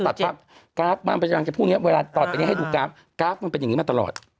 ตะถับกราฟประจำทุกเห็นเวลาตอดไปสู่กราฟกราฟมันเป็นอย่างนี้มาตลอด